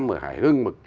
ở hải hưng